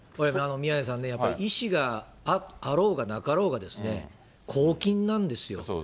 宮根さんね、やっぱりね、意思があろうがなかろうが、公金なんですよ。